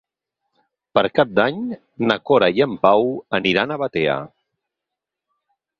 Per Cap d'Any na Cora i en Pau aniran a Batea.